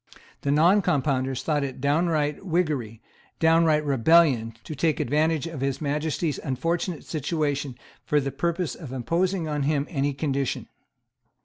The Noncompounders thought it downright Whiggery, downright rebellion; to take advantage of His Majesty's unfortunate situation for the purpose of imposing on him any condition.